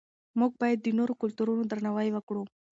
موږ باید د نورو کلتورونو درناوی وکړو.